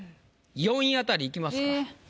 ４位あたりいきますか。